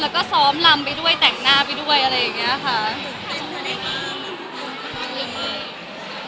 แล้วก็ซ้อมลำไปด้วยแต่งหน้าไปด้วยอะไรอย่างเงี้ยค่ะ